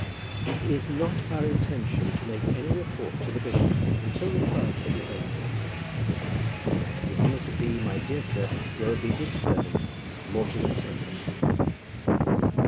It is not our intention to make any report to the bishop until the trial shall be over. I have the honour to be, My dear sir, Your very obedient servant, MORTIMER TEMPEST.